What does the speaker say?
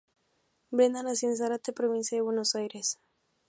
Brenda nació en Zárate, provincia de Buenos Aires.